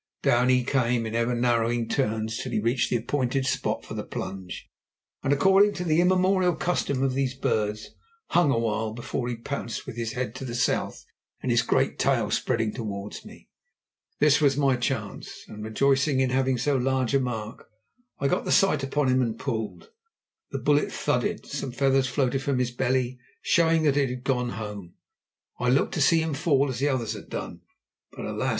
Down he came in ever narrowing turns, till he reached the appointed spot for the plunge, and, according to the immemorial custom of these birds, hung a while before he pounced with his head to the south and his great, spreading tail towards me. This was my chance, and, rejoicing in having so large a mark, I got the sight upon him and pulled. The bullet thudded, some feathers floated from his belly, showing that it had gone home, and I looked to see him fall as the others had done. But alas!